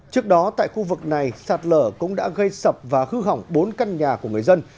trước đó tại khu vực này sạt lở cũng đã gây sập và hư hỏng bốn căn nhà của người dân